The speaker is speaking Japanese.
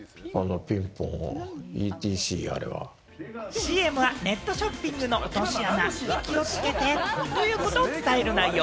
ＣＭはネットショッピングの落とし穴に気をつけてということを伝える内容。